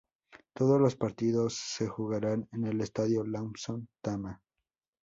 Todos los partidos se jugarán en el Estadio Lawson Tama.